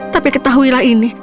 tapi ketahuilah ini